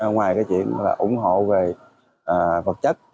ngoài chuyện ủng hộ về vật chất